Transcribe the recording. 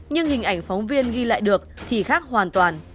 nhưng hình ảnh phóng viên ghi lại được thì khác hoàn toàn